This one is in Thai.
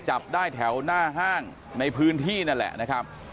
จับได้แถวหน้าห้างในพื้นที่นั่นแหละนะครับ